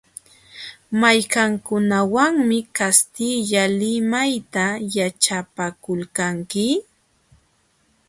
¿Mayqankunawanmi kastilla limayta yaćhapakulqanki?